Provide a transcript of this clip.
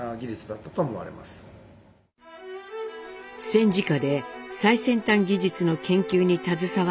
戦時下で最先端技術の研究に携わった英邦。